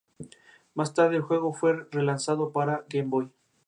Más tarde el juego fue relanzado para Game Boy.